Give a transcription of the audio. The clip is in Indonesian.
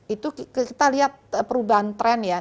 itu kita lihat perubahan tren ya